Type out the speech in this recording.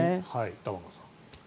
玉川さん。